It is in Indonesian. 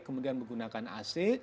kemudian menggunakan ac